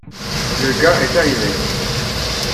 Le gars est arrivé.